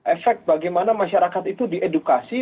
efek bagaimana masyarakat itu diedukasi